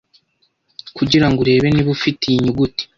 kugirango urebe niba ufite iyi nyuguti